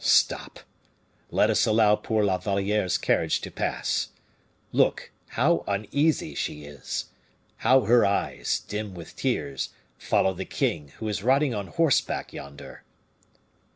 Stop! let us allow poor La Valliere's carriage to pass. Look, how uneasy she is! How her eyes, dim with tears, follow the king, who is riding on horseback yonder!"